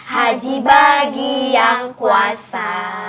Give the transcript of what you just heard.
haji bagi yang puasa